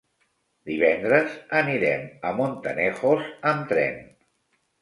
Divendres anirem a Montanejos amb tren.